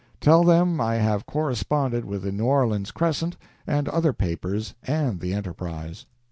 "Tell them I have corresponded with the "New Orleans Crescent" and other papers and the "Enterprise."